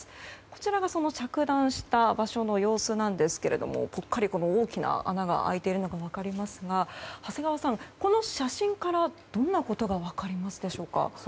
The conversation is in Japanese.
こちらがその着弾した場所の様子なんですけれどもぽっかり大きな穴が開いているのが分かりますが長谷川さん、この写真からどんなことが分かりますでしょうか。